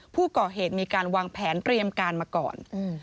ผู้ก่อเหตุมีการวางแผนเตรียมการมาก่อน